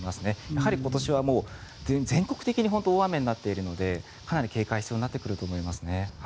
やはり今年は全国的に本当、大雨になっているのでかなり警戒が必要になってくると思います。